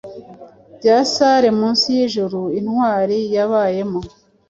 Bya salle munsi yijuru intwari yabayemo